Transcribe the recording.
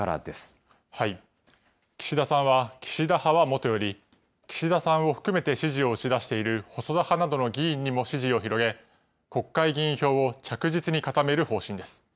岸田さんは、岸田派はもとより、岸田さんを含めて支持を打ち出している細田派などの議員にも支持を広げ、国会議員票を着実に固める方針です。